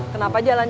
coba kau berhenti